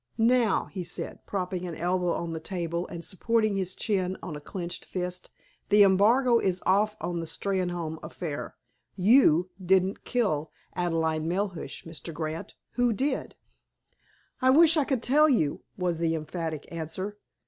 "Now," he said, propping an elbow on the table, and supporting his chin on a clenched fist, "the embargo is off the Steynholme affair. You didn't kill Adelaide Melhuish, Mr. Grant. Who did?" "I wish I could tell you," was the emphatic answer.